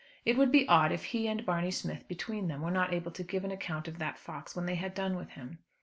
It would be odd if he and Barney Smith, between them, were not able to give an account of that fox when they had done with him.